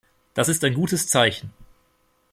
Das ist ein gutes Zeichen.